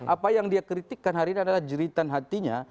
apa yang dia kritikkan hari ini adalah jeritan hatinya